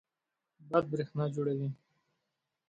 باد برېښنا جوړوي.